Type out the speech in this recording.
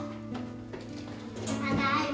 ただいま！